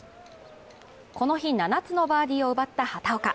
この日、７つのバーディーを奪った畑岡。